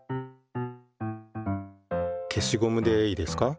消しゴムでいいですか。